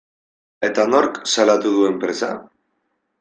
Eta nork salatu du enpresa?